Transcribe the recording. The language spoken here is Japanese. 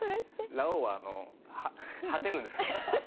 ラオウは果てるんです。